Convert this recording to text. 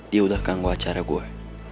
dia udah ganggu acara gue